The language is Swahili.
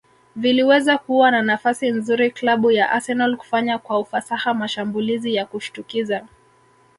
viliweza kuwa na nafasi nzuri klabu ya Arsenal kufanya kwa ufasaha mashambulizi ya kushtukiza